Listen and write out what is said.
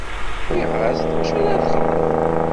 Nniɣ-as d acu ara texdem.